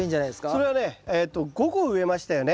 それはねえっと５個植えましたよね。